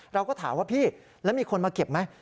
เราก็ถามว่าพี่แล้วมีคนมาเก็บไหม